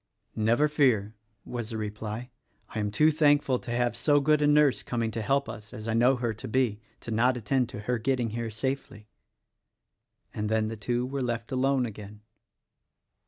"Never fear," was the reply; "I am too thankful to have so good a nurse coming to help us as I know her to be, to not attend to her getting here safely." And then the two were left alone again.